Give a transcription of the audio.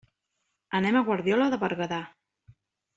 Anem a Guardiola de Berguedà.